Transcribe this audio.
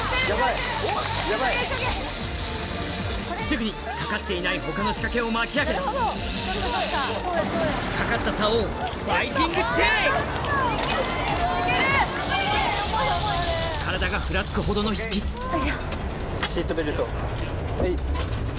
すぐにかかっていない他の仕掛けを巻き上げかかった体がふらつくほどの引きシートベルトはい。